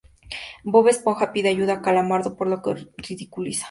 Bob Esponja pide ayuda a Calamardo, por lo que lo ridiculiza.